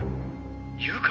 「誘拐！？」